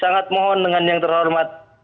sangat mohon dengan yang terhormat